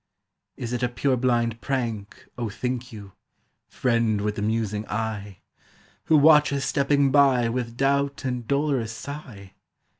Is it a purblind prank, O think you, Friend with the musing eye, Who watch us stepping by With doubt and dolorous sigh?